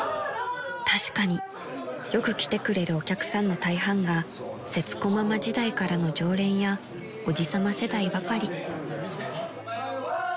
［確かによく来てくれるお客さんの大半がせつこママ時代からの常連やおじさま世代ばかり］